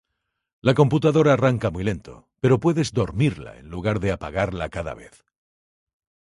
La computadora arranca muy lento pero puedes dormirla en lugar de apagarla cada vez